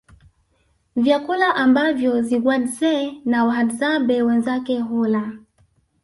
Vyakula ambavyo Zigwadzee na Wahadzabe wenzake hula